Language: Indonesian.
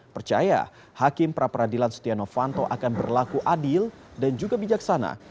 percaya hakim pra peradilan setia novanto akan berlaku adil dan juga bijaksana